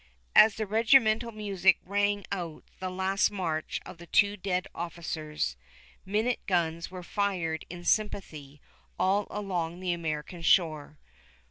As the regimental music rang out the last march of the two dead officers, minute guns were fired in sympathy all along the American shore.